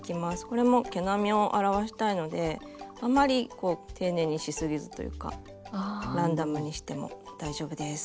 これも毛並みを表したいのであんまり丁寧にしすぎずというかランダムにしても大丈夫です。